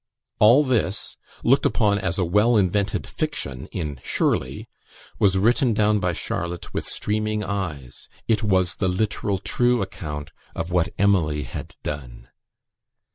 All this, looked upon as a well invented fiction in "Shirley," was written down by Charlotte with streaming eyes; it was the literal true account of what Emily had done.